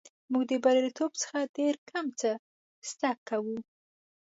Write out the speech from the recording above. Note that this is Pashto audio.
موږ د بریالیتوب څخه ډېر کم څه زده کوو.